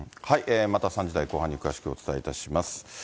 また３時台後半に詳しくお伝えいたします。